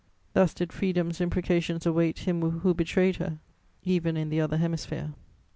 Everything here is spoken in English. Thus did freedom's imprecations await him who betrayed her, even in the other hemisphere.